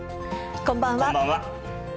こんばんは。